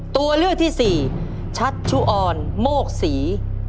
ตัวเลือกที่สี่ชัชชุออนโมกศรี